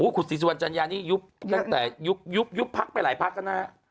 คุณศรีสุวรรณจัญญานี้ยุบยุบพักไปหลายพักนะ